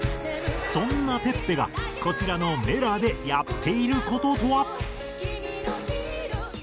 そんなｐｅｐｐｅがこちらの『Ｍｅｌａ！』でやっている事とは？